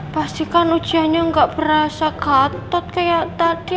pastikan ujianya gak berasa gatot kayak tadi